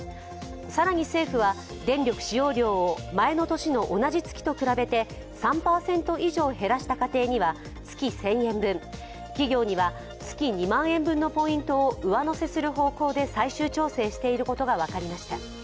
更に政府は電力使用量を前の年の同じ月と比べて３％以上減らした家庭には月１０００円分企業には月２万円分のポイントを上乗せする方向で最終調整していることが分かりました。